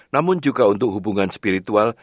namun juga untuk hubungan spiritual